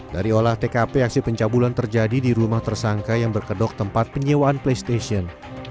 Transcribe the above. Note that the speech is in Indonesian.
dari olah tkp aksi pencabulan terjadi di rumah tersangka yang berkedok tempat penyewaan playstation